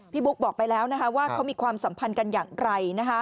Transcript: บุ๊กบอกไปแล้วว่าเขามีความสัมพันธ์กันอย่างไร